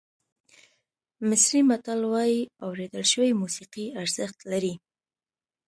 مصري متل وایي اورېدل شوې موسیقي ارزښت لري.